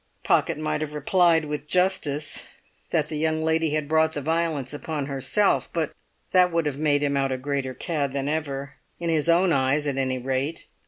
Pocket might have replied with justice that the young lady had brought the violence upon herself; but that would have made him out a greater cad than ever, in his own eyes at any rate.